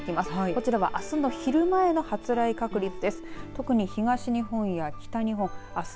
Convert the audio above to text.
こちらはあすの昼前の発雷確率です。